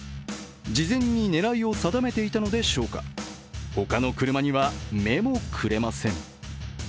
事前に狙いを定めていたのでしょうか、他の車には目もくれません。